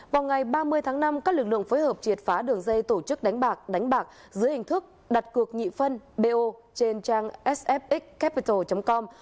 vào ngày ba mươi tháng năm các lực lượng phối hợp triệt phá đường dây tổ chức đánh bạc dưới hình thức đặt cược nhị phân bo trên trang sfxcapital com